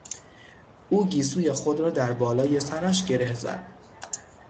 او گیسوی خود را در بالای سرش گره زد.